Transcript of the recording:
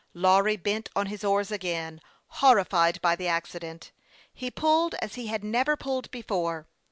Lawry bent on his oars again, horrified by the accident. He pulled as he had never pulled before.